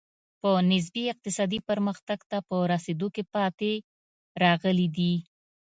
په نسبي اقتصادي پرمختګ ته په رسېدو کې پاتې راغلي دي.